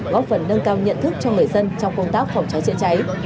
góp phần nâng cao nhận thức cho người dân trong công tác phòng cháy chữa cháy